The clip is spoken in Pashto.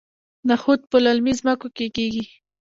نخود په للمي ځمکو کې کیږي.